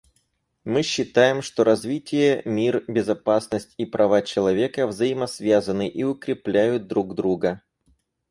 Мы считаем, что развитие, мир, безопасность и права человека взаимосвязаны и укрепляют друг друга.